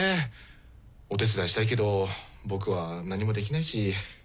お手伝いしたいけど僕は何もできないし。